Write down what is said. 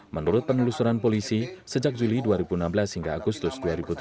menurut penelusuran polisi sejak juli dua ribu enam belas hingga agustus dua ribu tujuh belas